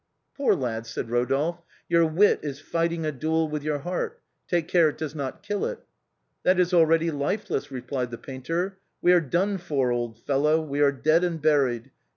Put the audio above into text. " Poor lad," said Rodolphe ;" your wit is fighting a duel with your heart, take care it does not kill it." " That is already lifeless," replied the painter ;" we are done for, old fellow, we are dead and buried.